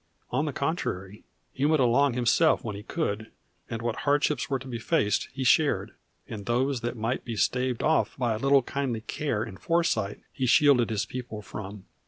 On the contrary, he went along himself when he could, and what hardships were to be faced he shared, and those that might be staved off by a little kindly care and foresight he shielded his people from.